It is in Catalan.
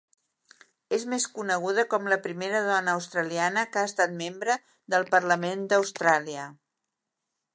És més coneguda com la primera dona australiana que ha estat membre del Parlament d'Austràlia.